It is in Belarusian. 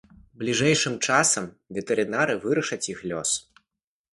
Бліжэйшым часам ветэрынары вырашаць іх лёс.